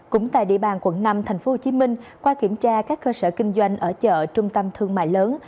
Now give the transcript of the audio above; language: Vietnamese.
cũng tại địa bàn quận năm tp hcm qua kiểm tra các cơ sở kinh doanh ở chợ trung tâm thương mại lớn